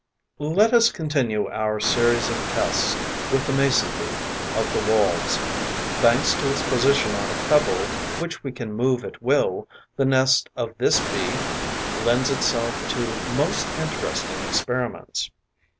Let us continue our series of tests with the Mason bee of the Walls. Thanks to its position on a pebble which we can move at will, the nest of this Bee lends itself to most interesting experiments.